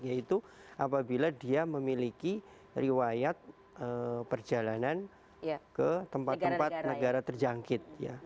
yaitu apabila dia memiliki riwayat perjalanan ke tempat tempat negara terjangkit